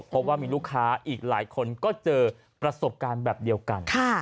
เพราะว่ามีลูกค้าอีกหลายคนก็เจอประสบการณ์แบบเดียวกัน